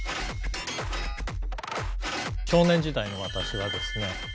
少年時代の私はですね